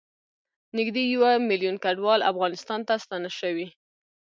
نږدې یوه میلیون کډوال افغانستان ته ستانه شوي